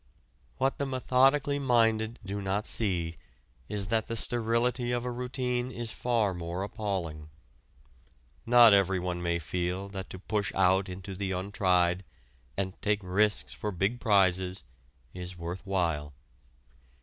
What the methodically minded do not see is that the sterility of a routine is far more appalling. Not everyone may feel that to push out into the untried, and take risks for big prizes, is worth while.